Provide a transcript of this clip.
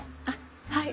はい。